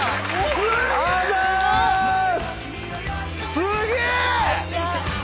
「すげえ！」